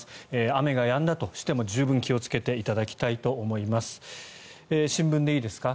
雨がやんだとしても十分気をつけていただきたいと思います。